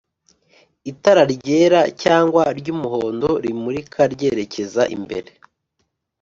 itara ryera cyangwa ry'umuhondo rimurika ryerekeza imbere